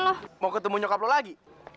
loh mau ketemu nyokap lagi